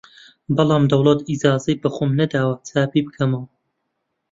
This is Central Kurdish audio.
بەڵام دەوڵەت ئیجازەی بە خۆم نەداوە چاپی بکەمەوە!